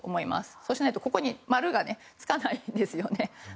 そうしないとここに○がつかないんですよね。